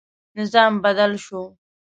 نظام بدل شو.